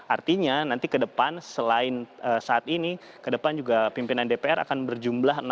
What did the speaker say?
artinya nanti ke depan selain saat ini ke depan juga pimpinan dpr akan berjumlah enam puluh